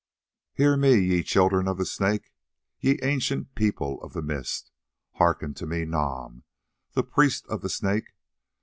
"Hear me, ye Children of the Snake, ye ancient People of the Mist! Hearken to me, Nam, the priest of the Snake!